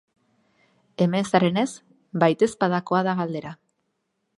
Hemen zarenez, baitezpadakoa da galdera.